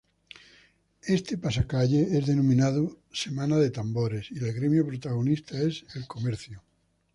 Este pasacalles es denominado "Semana de Tambores" y el gremio protagonista es el Comercio.